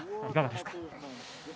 いかがですか？